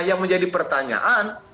nah yang menjadi pertanyaan